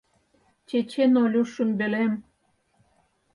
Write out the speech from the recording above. «Чечен Олю шӱмбелем!